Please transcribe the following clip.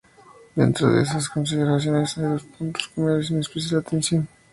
Dentro de estas consideraciones, hay dos puntos que merecen especial atención.